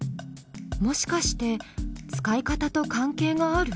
もしかして使い方と関係がある？